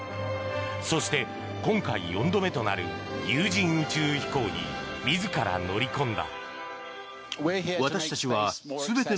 そして、今回４度目となる有人宇宙飛行に自ら乗り込んだ。